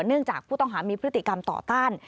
เนื่องจากผู้ต้องหามีพฤติกรรมต่อต้าน